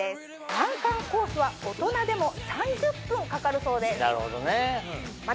難関コースは大人でも３０分かかるそうです。